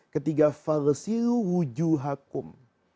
ketiga falsil wujuhakum